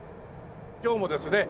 今日もですね